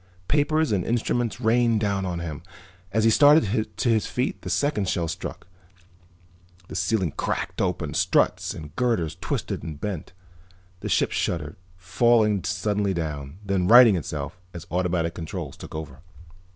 Papers and instruments rained down on him. As he started to his feet the second shell struck. The ceiling cracked open, struts and girders twisted and bent. The ship shuddered, falling suddenly down, then righting itself as automatic controls took over.